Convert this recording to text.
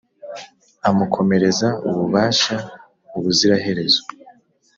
amukomereza ububasha ubuziraherezo,